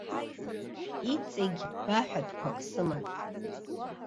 Иҵегь баҳәатәқәак сыман.